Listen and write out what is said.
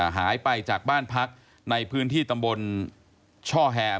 หายไปจากบ้านพักในพื้นที่ตำบลช่อแฮม